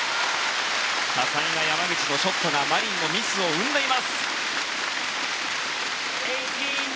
多彩な山口のショットがマリンのミスを生んでいます。